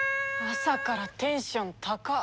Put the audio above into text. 朝からテンション高っ。